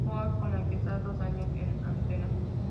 McNulty", con la que está dos años en antena.